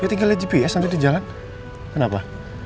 ya tinggal liat gps nanti di jalan kenapa